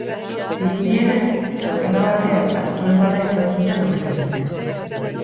Dirudienez, taberna batean hartu-emana izan zuten aurretik.